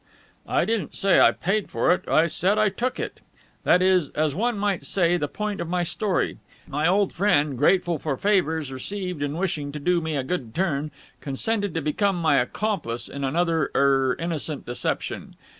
"I didn't say I paid for it. I said I took it. That is, as one might say, the point of my story. My old friend, grateful for favours received and wishing to do me a good turn, consented to become my accomplice in another er innocent deception.